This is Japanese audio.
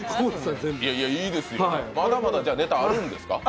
じゃあまだまだネタあるんですか？